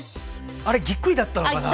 あれぎっくりだったのかな？